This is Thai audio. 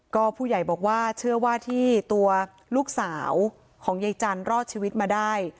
ก็ผู้ใหญ่บอกว่าเชื่อว่าที่ตัวลูกสาวของยายจันทร์รอดชีวิตมาได้